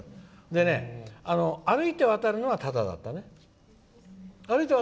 でね、歩いて渡るのはタダだったね。